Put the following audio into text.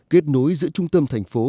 kết nối giữa trung tâm thành phố